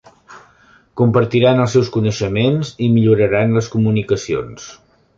Compartiran els seus coneixements i milloraran les comunicacions.